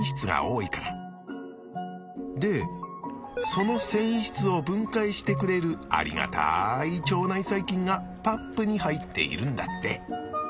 その繊維質を分解してくれるありがたい腸内細菌がパップに入っているんだって。